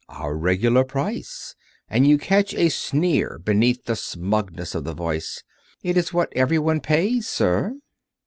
"Our regular price," and you catch a sneer beneath the smugness of the Voice. "It is what every one pays, sir."